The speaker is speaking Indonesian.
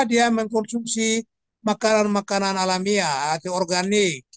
dia mengkonsumsi makanan makanan alamiah atau organik